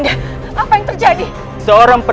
jangan lupa langsung di alih sini